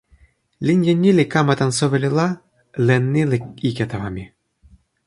linja ni li kama tan soweli la len ni li ike tawa mi.